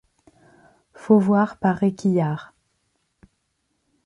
Faut voir par Réquillart.